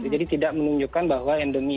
jadi tidak menunjukkan bahwa endemi